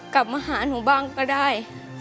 กลับมาหาหนูบ้างก็ได้